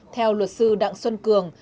theo luật sư đặng xuân cường